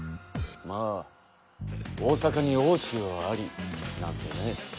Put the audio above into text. まあ「大阪に大塩あり」なんてね